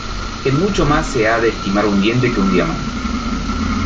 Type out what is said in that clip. En mucho más se ha de estimar un diente que un diamante.